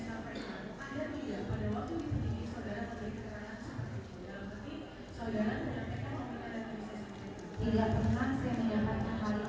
sebelumnya ada beberapa artis yang diberangkatkan oleh